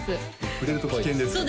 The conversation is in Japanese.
触れると危険ですね